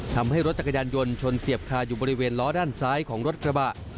ทำให้รถจักรยานยนต์ชนเสียบคาอยู่บริเวณล้อด้านซ้ายของรถกระบะ